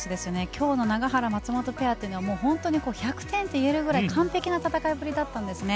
今日の永原、松本ペアは本当に１００点と言えるくらい完璧な戦いぶりだったんですね。